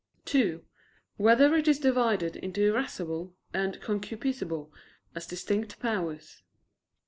(2) Whether it is divided into irascible and concupiscible as distinct powers?